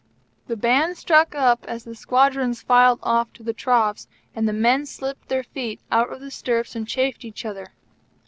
The band struck up as the squadrons filed off the troughs and the men slipped their feet out of the stirrups and chaffed each other.